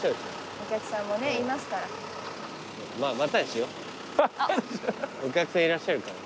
お客さんいらっしゃるから。